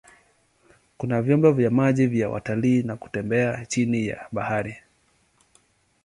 Kuna vyombo vya maji vya watalii na kutembea chini ya bahari.